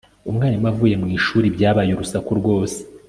umwarimu avuye mu ishuri, byabaye urusaku rwose